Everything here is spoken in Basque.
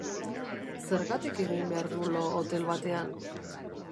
Zergatik egin behar du lo hotel batean?